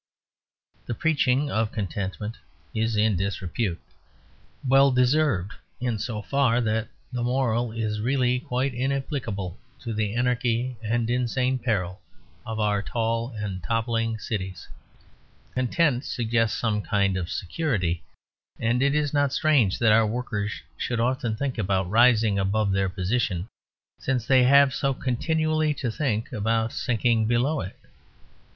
The preaching of contentment is in disrepute, well deserved in so far that the moral is really quite inapplicable to the anarchy and insane peril of our tall and toppling cities. Content suggests some kind of security; and it is not strange that our workers should often think about rising above their position, since they have so continually to think about sinking below it.